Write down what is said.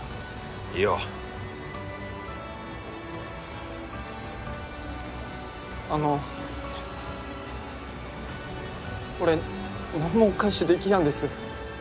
いいよあの俺何もお返しできやんです